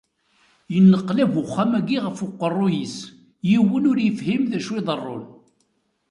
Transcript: Yenneqlab uxxam-agi ɣef uqerru-is, yiwen ur yefhim d acu iḍerrun.